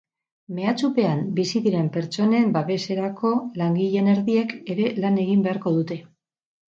Mehatxupean bizi diren pertsonen babeserako langileen erdiek ere lan egin beharko dute.